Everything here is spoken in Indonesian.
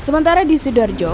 sementara di sidoarjo